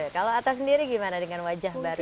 kalau atta sendiri gimana dengan wajah baru